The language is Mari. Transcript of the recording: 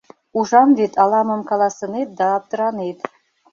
Ужам вет, ала-мом каласынет да аптыранет.